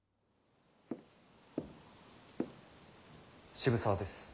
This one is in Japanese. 渋沢です。